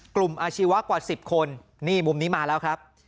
อาชีวะกว่า๑๐คนนี่มุมนี้มาแล้วครับ